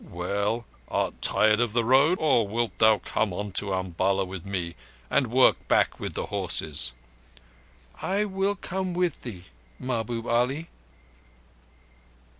"Well, art tired of the Road, or wilt thou come on to Umballa with me and work back with the horses?" "I come with thee, Mahbub Ali."